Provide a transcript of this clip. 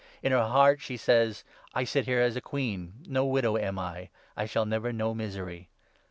In her heart she says ' I sit here a queen ; no widow am I ; I shall never know misery.'